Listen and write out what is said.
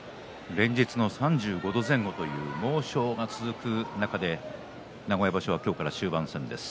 連日３５度前後という猛暑が続く中での名古屋場所は終盤戦です。